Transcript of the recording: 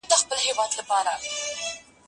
زه به سبا بازار ته ولاړ سم!